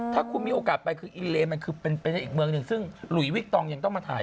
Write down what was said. ถ้าคุณมีโอกาสไปคืออิเลมันคือเป็นอีกเมืองหนึ่งซึ่งหลุยวิกตองยังต้องมาถ่าย